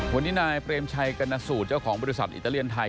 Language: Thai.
วันนี้นายเปรมชัยกรณสูตรเจ้าของบริษัทอิตาเลียนไทย